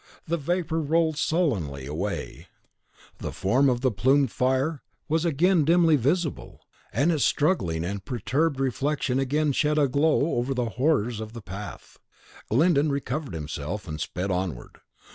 The vapour rolled sullenly away; the form of the plumed fire was again dimly visible, and its struggling and perturbed reflection again shed a glow over the horrors of the path. Glyndon recovered himself, and sped onward.